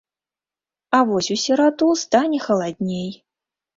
А вось у сераду стане халадней.